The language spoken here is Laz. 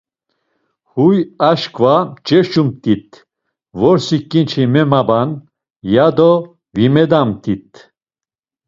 Huy aşǩva mç̌eşumt̆it, vrosi ǩinçi memaban, ya do vimedamt̆it.